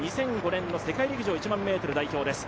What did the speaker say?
２００５年の世界陸上１００００ｍ代表です。